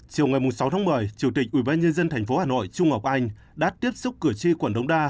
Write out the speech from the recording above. chiều ngày sáu tháng một mươi chủ tịch ubnd tp hà nội trung ngọc anh đã tiếp xúc cử tri quận đống đa